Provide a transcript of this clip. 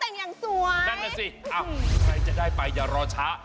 นั่นล่ะสิใครจะได้ไปอย่ารอช้า